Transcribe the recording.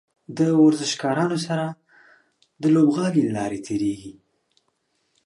د ورزشکارانو سره د لوبغالي له لارې تیریږي.